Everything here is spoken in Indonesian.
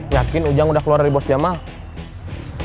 yakin ujang udah keluar dari bos jemaah